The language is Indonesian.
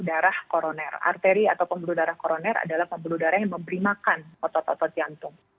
darah koroner arteri atau pembuluh darah koroner adalah pembuluh darah yang memberi makan otot otot jantung